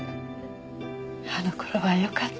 あの頃はよかった。